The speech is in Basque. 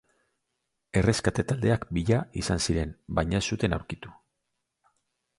Erreskate taldeak bila izan ziren, baina ez zuten aurkitu.